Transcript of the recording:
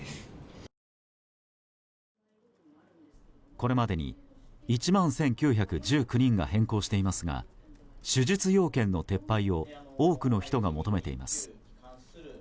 これまでに１万１９１９人が変更していますが手術要件の撤廃を多くの人が求めています。